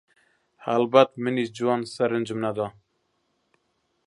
هەڵبەت منیش جوان سرنجم نەدا